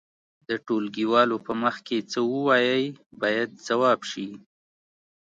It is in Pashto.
د ټولګيوالو په مخ کې څه ووایئ باید ځواب شي.